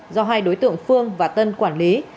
do hai đối tượng phương và tân quản lý